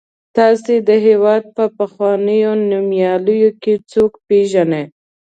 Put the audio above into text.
تاسې د هېواد په پخوانیو نومیالیو کې څوک پیژنئ.